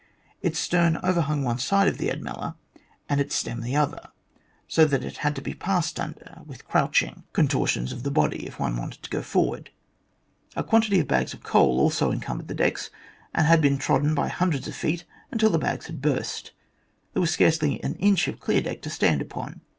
Its stern overhung one side of the Admella and its stem the other, so that it had to be passed under with crouching A MARVELLOUS WILD GOOSE CHASE 111 contortions of the body if one wanted to go forward. A quantity of bags of coal also encumbered the decks, and had been trodden by hundreds of feet until the bags had burst. There was scarcely an inch of clear deck to stand upon.